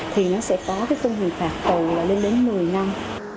thì nó sẽ có cái tôn hình phạt tù là lên đến một mươi năm